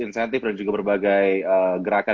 insentif dan juga berbagai gerakan